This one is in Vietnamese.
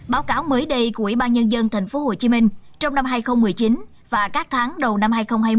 báo cáo mới đây của ủy ban nhân dân tp hcm trong năm hai nghìn một mươi chín và các tháng đầu năm hai nghìn hai mươi